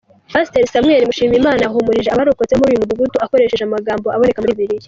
Pasiteri Samuel Mushimiyimana yahumurije abarokotse bo muri uyu mudugudu akoresheje amagambo aboneka muri Bibiliya.